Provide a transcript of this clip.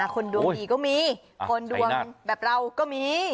คนดวงดีก็มีคนดวงแบบเราก็มี